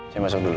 saya masuk dulu